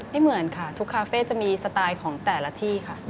ไม่เหมือนค่ะทุกคาเฟ่จะมีสไตล์ของแต่ละที่ค่ะ